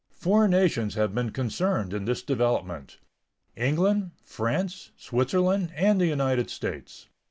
Four nations have been concerned in this development—England, France, Switzerland, and the United States.